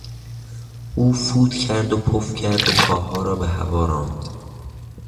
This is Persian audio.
او فوت کرد و پف کرد و کاهها را به هوا راند.